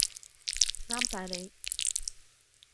啱晒你